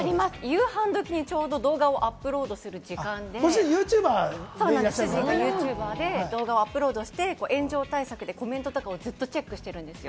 夕飯時にちょうど動画をアップロードする時間で、主人がユーチューバーで動画をアップロードして、炎上対策でコメントとかをチェックしてるんですよ。